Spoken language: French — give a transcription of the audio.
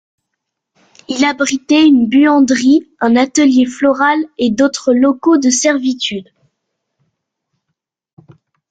Il abritait une buanderie, un atelier floral et d'autre locaux de servitude.